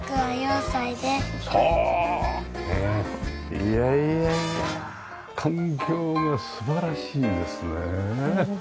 いやいやいや環境が素晴らしいですねえ！